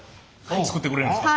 作ってくれるんですか？